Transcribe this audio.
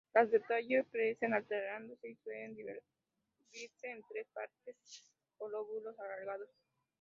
Las del tallo crecen alternándose y suelen dividirse en tres partes o lóbulos alargados.